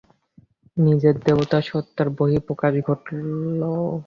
নিজের দেবতা সত্ত্বার বহিঃপ্রকাশ ঘটালো।